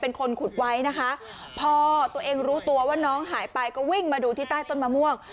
เป็นคนขุดไว้นะคะพอตัวเองรู้ตัวว่าน้องหายไปก็วิ่งมาดูที่ใต้ต้นมะม่วง